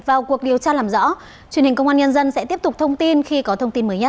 vào cuộc điều tra làm rõ truyền hình công an nhân dân sẽ tiếp tục thông tin khi có thông tin mới nhất